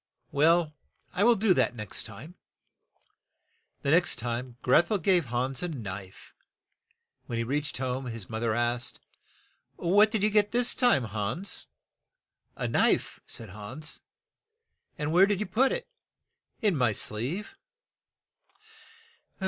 Well, I will do that the next time." The next time, Greth el gave Hans a knife. When he reached home his moth er asked, "What did you get this time, Hans?" "A knife," said Hans. "And where did you put it?" "In my sleeve."